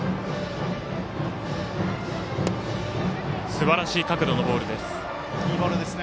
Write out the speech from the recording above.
すばらしい角度のボールです。